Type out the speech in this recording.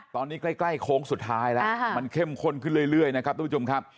ตอนนี้ใกล้โค้งสุดท้ายแล้วมันเข้มข้นขึ้นเรื่อยนะครับทุกผู้ชมครับ